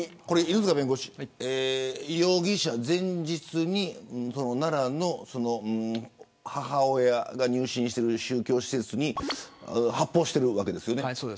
犬塚弁護士容疑者、前日に奈良の母親が入信している宗教施設に発砲しているわけですよね。